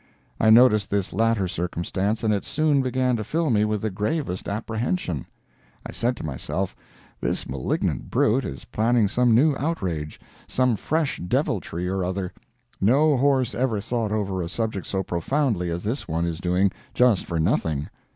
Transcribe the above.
I noticed this latter circumstance, and it soon began to fill me with the gravest apprehension. I said to myself, this malignant brute is planning some new outrage, some fresh deviltry or other—no horse ever thought over a subject so profoundly as this one is doing just for nothing.